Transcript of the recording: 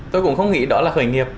tôi cũng không nghĩ đó là khởi nghiệp